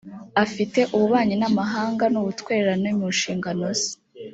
afite ububanyi n amahanga n ubutwererane mu nshingano ze